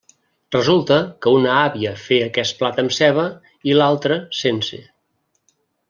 Resulta que una àvia feia aquest plat amb ceba i l'altra sense.